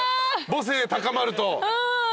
母性高まると？